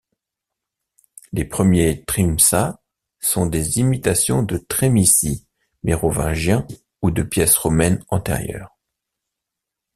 Les premiers thrymsas sont des imitations de trémissis mérovingiens ou de pièces romaines antérieures.